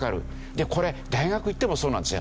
でこれ大学行ってもそうなんですよ。